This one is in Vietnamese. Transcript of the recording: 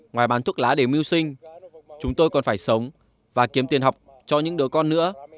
ngoài bán thuốc lá để mưu sinh chúng tôi còn phải sống và kiếm tiền học cho những đứa con nữa